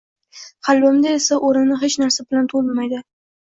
Qalbimda esa o‘rnini hech narsa bilan to’ldmaydi.